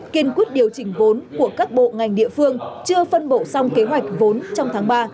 kiên quyết điều chỉnh vốn của các bộ ngành địa phương chưa phân bổ xong kế hoạch vốn trong tháng ba